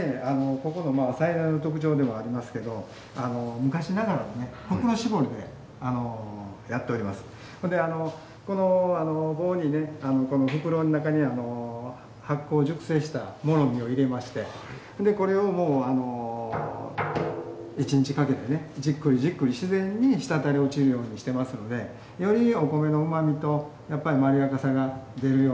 ここの最大の特徴でもありますけどこの棒にねこの袋の中に発酵熟成したモロミを入れましてそれでこれを１日かけてねじっくりじっくり自然に滴り落ちるようにしてますのでよりお米のうまみとまろやかさが出るようにやっております。